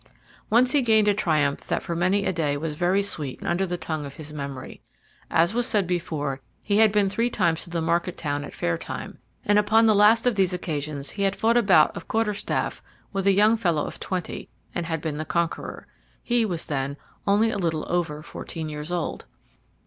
Once he gained a triumph that for many a day was very sweet under the tongue of his memory. As was said before, he had been three times to the market town at fair time, and upon the last of these occasions he had fought a bout of quarterstaff with a young fellow of twenty, and had been the conqueror. He was then only a little over fourteen years old.